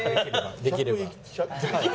「できれば」？